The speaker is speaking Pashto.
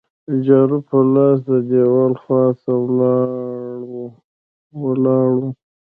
جارو په لاس د دیوال خوا ته ولاړ وو.